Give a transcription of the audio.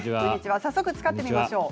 早速、使ってみましょう。